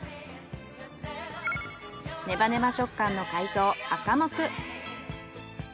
ネバネバ食感の海藻アカモク。